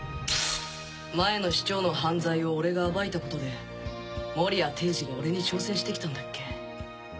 前の市長の犯罪を俺が暴いたことで森谷帝ニが俺に挑戦してきたんだっけ